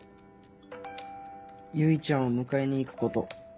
唯ちゃんを迎えに行くこと。